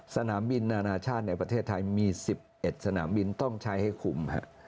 สนามบินนานาชาติในประเทศไทยมี๑๑สนามบินต้องใช้ให้คุม